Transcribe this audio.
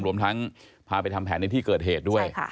รวมทั้งพาไปทำแผนในที่เกิดเหตุด้วย